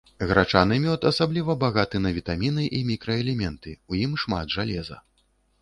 Грачаны мёд асабліва багаты на вітаміны і мікраэлементы, у ім шмат жалеза.